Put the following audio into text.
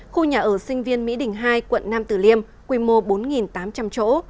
khu nhà ở sinh viên mỹ đình hai quận nam tử liêm quy mô bốn tám trăm linh chỗ